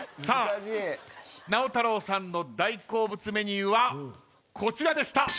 さあ直太朗さんの大好物メニューはこちらでした。